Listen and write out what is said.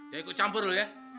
ya ikut campur loh ya